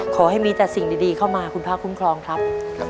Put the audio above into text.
ขอให้มีแต่สิ่งดีเข้ามาคุณพระคุ้มครองครับ